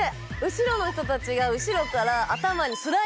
後ろの人たちが後ろから。